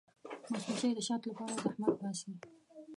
مچمچۍ د شاتو لپاره زحمت باسي